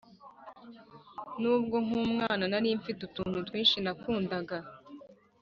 N’ubwo nk’umwana nari mfite utuntu twinshi nakundaga